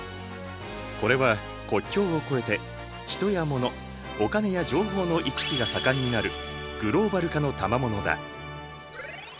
これは国境を越えて人や物お金や情報の行き来が盛んになるグローバル化のたまものだ。